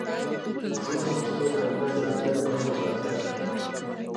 ځینې پښتو کلمې ځانګړي نښو ته اړتیا لري.